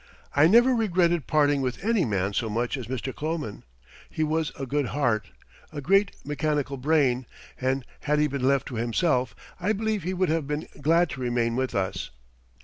I never regretted parting with any man so much as Mr. Kloman. His was a good heart, a great mechanical brain, and had he been left to himself I believe he would have been glad to remain with us.